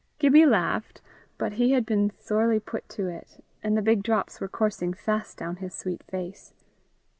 Gibbie laughed; but he had been sorely put to it, and the big drops were coursing fast down his sweet face.